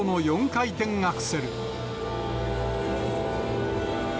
４回転アクセル。